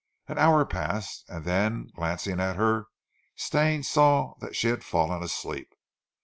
An hour passed, and then glancing at her Stane saw that she had fallen asleep.